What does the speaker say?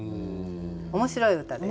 面白い歌です。